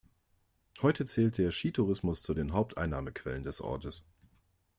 Heute zählt der Skitourismus zu den Haupteinnahmequellen des Ortes.